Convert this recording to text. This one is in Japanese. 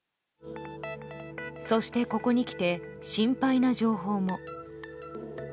そして、ここにきて心配な情報も。